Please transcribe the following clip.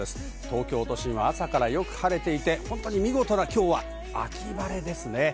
東京都心は朝からよく晴れていて、見事な秋晴れですね。